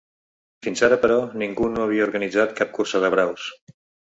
Fins ara, però, ningú no havia organitzat cap cursa de braus.